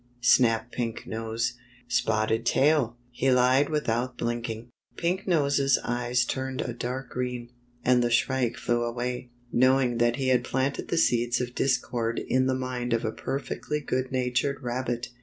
snapped Pink Nose. " Spotted Tail !" he lied without blinking. Pink Nose's eyes turned a dark green, and the Shrike flew away, knowing that he had planted the seeds of discord in the mind of a perfectly good natured rabbit.